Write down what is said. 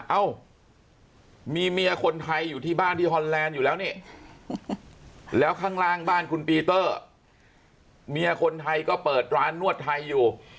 เอ้ามีเมียคนไทยอยู่ที่บ้านที่ฮอนแลนด์อยู่แล้วนี่แล้วข้างล่างบ้านคุณปีเตอร์เมียคนไทยก็เปิดร้านนวดไทยอยู่